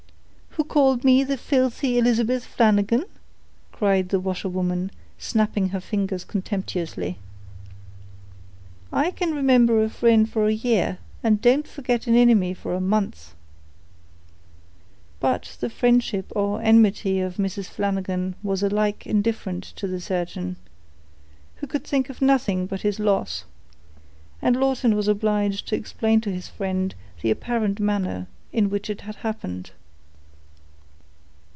"Who called me the filthy Elizabeth Flanagan?" cried the washerwoman, snapping her fingers contemptuously. "I can remimber a frind for a year and don't forgit an inimy for a month." But the friendship or enmity of Mrs. Flanagan was alike indifferent to the surgeon, who could think of nothing but his loss; and Lawton was obliged to explain to his friend the apparent manner in which it had happened.